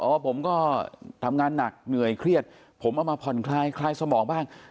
ผมก็ทำงานหนักเหนื่อยเครียดผมเอามาผ่อนคลายคลายสมองบ้าง